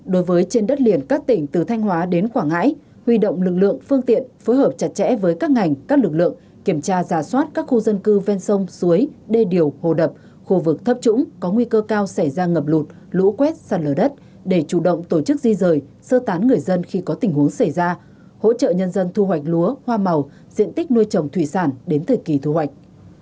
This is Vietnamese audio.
bốn đối với trên đất liền các tỉnh từ thanh hóa đến quảng ngãi huy động lực lượng phương tiện phối hợp chặt chẽ với các ngành các lực lượng kiểm tra giả soát các khu dân cư ven sông suối đê điều hồ đập khu vực thấp trũng có nguy cơ cao xảy ra ngập lụt lũ quét săn lở đất để chủ động tổ chức di rời sơ tán người dân khi có tình huống xảy ra hỗ trợ nhân dân thu hoạch lúa hoa màu diện tích nuôi trồng thủy sản đến thời kỳ thu hoạch